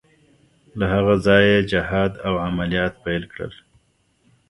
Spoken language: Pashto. له هغه ځایه یې جهاد او عملیات پیل کړل.